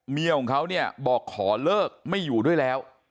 เมียของเขาเนี่ยบอกขอเลิกไม่อยู่ด้วยแล้ว